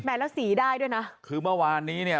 แล้วสีได้ด้วยนะคือเมื่อวานนี้เนี่ย